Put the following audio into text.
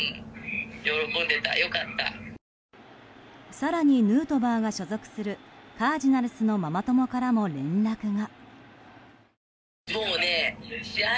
更に、ヌートバーが所属するカージナルスのママ友からも連絡が。